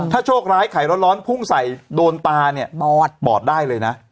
ถ้าโชคร้ายไข่ร้อนพุ่งใส่โดนตาเนี่ยบอดบอดได้เลยนะ